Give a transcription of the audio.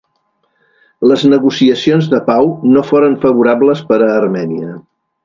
Les negociacions de pau no foren favorables per a Armènia.